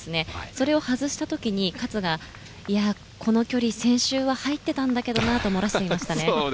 それを外した時に勝が、いや、この距離、先週は入ってたんだけどなと漏らしていましたね。